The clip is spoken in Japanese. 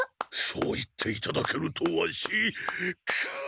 そう言っていただけるとワシくう！